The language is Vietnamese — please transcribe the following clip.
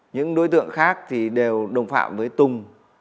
những đối tượng khác thì đều đồng phạm với tùng